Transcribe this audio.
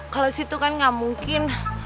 kalau situ kan nggak mungkin